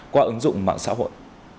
qua ứng dụng mạng xã hội